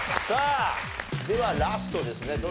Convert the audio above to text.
さあではラストですね